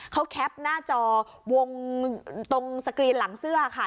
เขาแคปหน้าจอวงตรงสกรีนหลังเสื้อค่ะ